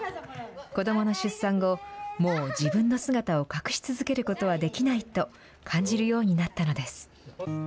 子どもの出産後、もう自分の姿を隠し続けることはできないと感じるようになったのです。